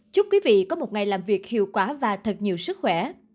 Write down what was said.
chúc quý vị có một ngày làm việc hiệu quả và thật nhiều sức khỏe